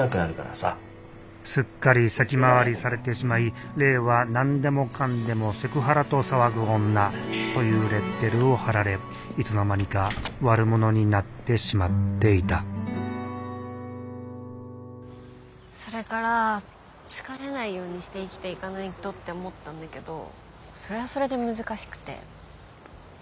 すっかり先回りされてしまい玲は何でもかんでもセクハラと騒ぐ女というレッテルを貼られいつの間にか悪者になってしまっていたそれから好かれないようにして生きていかないとって思ったんだけどそれはそれで難しくて。